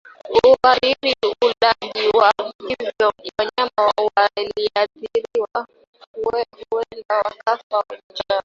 Huathiri ulaji na hivyo mnyama aliyeathiriwa huenda akafa kwa njaa